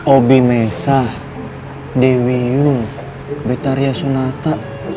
obi mesa dewi yung ritaria sonata